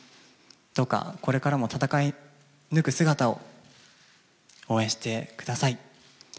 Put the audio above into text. どうかこれからも戦い抜く姿を応援してください。